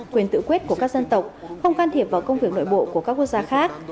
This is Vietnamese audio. quyền tự quyết của các dân tộc không can thiệp vào công việc nội bộ của các quốc gia khác